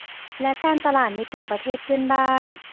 และการตลาดในกลุ่มประเทศเพื่อนบ้าน